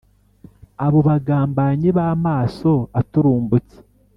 abo bagambanyi b’amaso aturumbutse